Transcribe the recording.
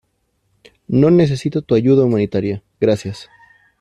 no necesito tu ayuda humanitaria, gracias.